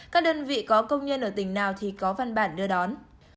các đơn vị có công nhân ở tỉnh nào thì có văn bản đưa đón